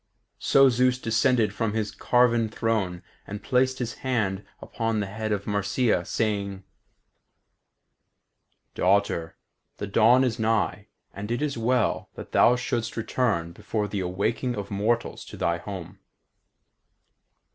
So Zeus descended from his carven throne and placed his hand upon the head of Marcia, saying: "Daughter, the dawn is nigh, and it is well that thou shouldst return before the awaking of mortals to thy home.